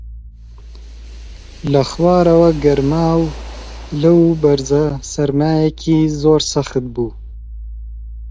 لە خوارەوە گەرما و لەو بەرزە سەرمایەکی زۆر سەخت بوو